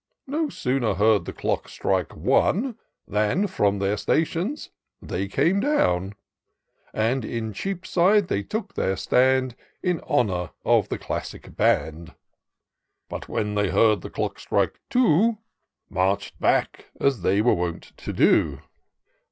No sooner heard the clock strike OnCj Than from their stations they came down; And in Cheapside they took their stand. In honour of the classic band ; But when they heard the clock strike Two^ March'd back, as they were wont to do.